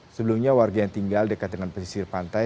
sebelumnya warga yang tinggal dekat dengan pesisir pantai